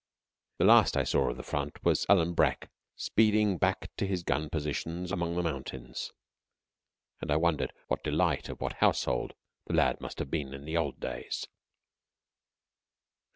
The last I saw of the front was Alan Breck speeding back to his gun positions among the mountains; and I wondered what delight of what household the lad must have been in the old days.